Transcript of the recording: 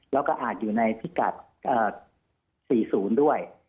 แล้วก็อาจอยู่ในพิกัด๔๐ด้วย